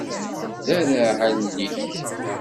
Derreɛ allen-ik.